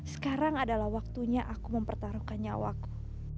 sekarang adalah waktunya aku mempertaruhkan nyawaku